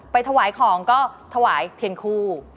ถวายของก็ถวายเทียนคู่